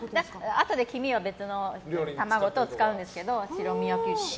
あとで黄身を卵と使うんですけど白身焼き。